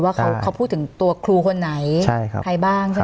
ว่าเขาเขาพูดถึงตัวครูคนไหนใช่ครับใครบ้างใช่